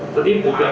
phần lớn đều là những